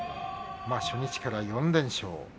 初日から４連勝。